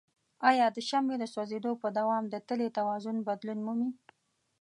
آیا د شمع د سوځیدو په دوام د تلې توازن بدلون مومي؟